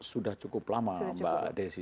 sudah cukup lama mbak desi